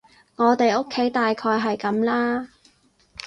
我哋屋企大概係噉啦